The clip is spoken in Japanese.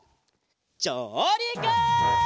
じょうりく！